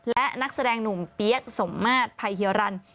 และนักแสดงหนุ่มเปี๊ยกสมมาตรไพเฮียรัน